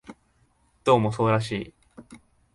どうもそうらしい